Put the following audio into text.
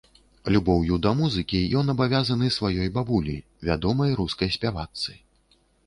Любоўю да музыкі ён абавязаны сваёй бабулі, вядомай рускай спявачцы.